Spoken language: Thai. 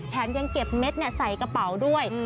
ยังเก็บเม็ดใส่กระเป๋าด้วย